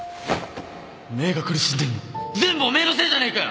メイが苦しんでんの全部お前のせいじゃねえか